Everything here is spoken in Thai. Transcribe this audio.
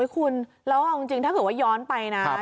คุณแล้วเอาจริงถ้าเกิดว่าย้อนไปนะ